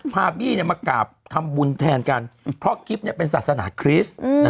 บี้มากราบทำบุญแทนกันเพราะกิ๊บเป็นศาสนาคริสต์